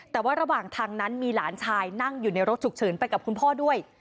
แต่ว่าระหว่างทางนั้นมีหลานชายนั่งอยู่ในรถฉุกเฉินไปกับคุณพ่อด้วย